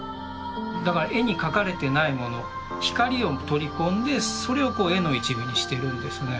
だから絵に描かれてないもの光を取り込んでそれをこう絵の一部にしてるんですね。